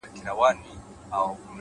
فکر بدل شي، تقدیر بدلېږي,